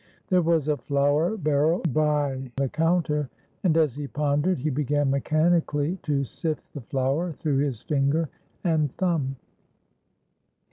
There was a flour barrel by the counter, and as he pondered he began mechanically to sift the flour through his finger and thumb.